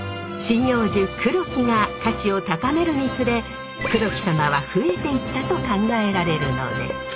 針葉樹黒木が価値を高めるにつれ黒木サマは増えていったと考えられるのです。